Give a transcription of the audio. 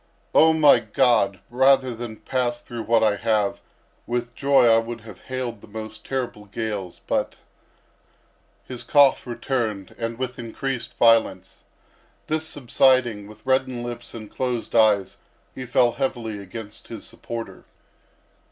—"Oh, my God! rather than pass through what I have, with joy I would have hailed the most terrible gales; but—" His cough returned and with increased violence; this subsiding; with reddened lips and closed eyes he fell heavily against his supporter.